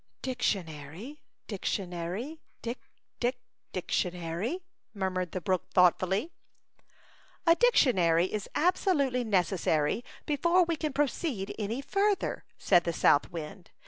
" Dictionary, dictionary, die, die, dic tionary,'' murmured the brook, thought fully. "A dictionary is absolutely nec essary before we can proceed any further," said the south wind.